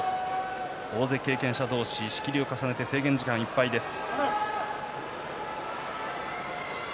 大関経験者同士仕切りを重ねて制限時間いっぱいです。